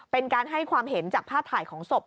เป็นการให้ความเห็นจากภาพถ่ายของศพ